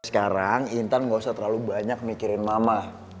sekarang intan gak usah terlalu banyak mikirin mama